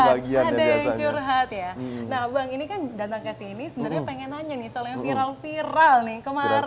nah bang ini kan datang ke sini sebenarnya pengen nanya nih soal yang viral viral nih kemarin ini